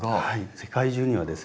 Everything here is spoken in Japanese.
世界中にはですね